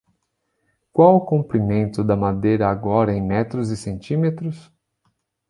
Qual é o comprimento da madeira agora em metros e centímetros?